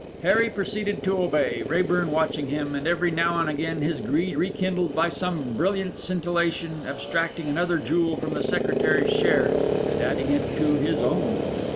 Harry proceeded to obey, Raeburn watching him, and every now and again his greed rekindled by some bright scintillation, abstracting another jewel from the secretary's share, and adding it to his own.